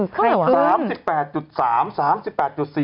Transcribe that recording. อ๋อไข้ขึ้น